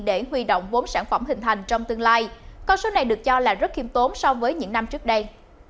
để huy động vốn sản phẩm hình thành trong tương lai con số này được cho là rất khiêm tốn so với những năm trước đây